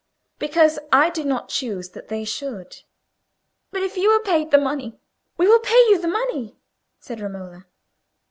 "Because I do not choose that they should." "But if you were paid the money?—we will pay you the money," said Romola.